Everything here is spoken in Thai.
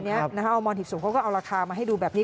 อันนี้มรศิษย์ศูนย์เขาก็เอาราคามาให้ดูแบบนี้